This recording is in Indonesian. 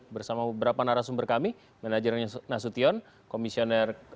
bersama beberapa narasumber kami manajernya nasution komisioner